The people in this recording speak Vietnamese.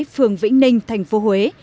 phường vĩnh ninh thành phố huế